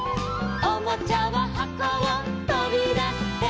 「おもちゃははこをとびだして」